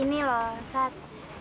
ini loh sat